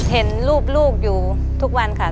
เห็นรูปลูกอยู่ทุกวันค่ะ